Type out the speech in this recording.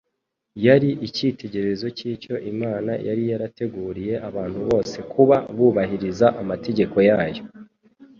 yari icyitegererezo cy'icyo Imana yari yarateguriye abantu bose kuba, bubahiriza amategeko yayo